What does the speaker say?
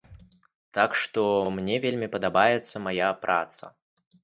Так што мне вельмі падабаецца мая праца.